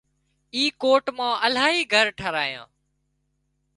اي ڪوٽ مان الاهي گھر ٺاهرايان